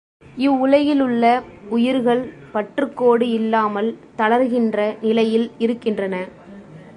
இவ்வுலகிலுள்ள உயிர்கள் பற்றுக்கோடு இல்லாமல் தளர்கின்ற நிலையில் இருக்கின்றன.